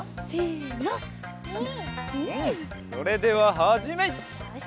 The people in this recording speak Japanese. それでははじめい！